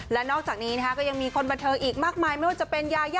และนอกจากนี้ก็ยังมีคนบันเทิงอีกมากมายไม่ว่าจะเป็นยายา